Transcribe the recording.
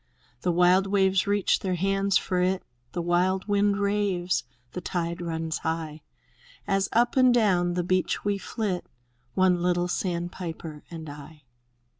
The wild waves reach their hands for it. The wild wind raves, the tide runs high. As up and down the beach we flit, — One little sandpiper and I.